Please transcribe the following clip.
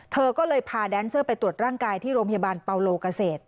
เธอก็เลยพาแดนเซอร์ไปตรวจร่างกายที่โรงพยาบาลเปาโลเกษตร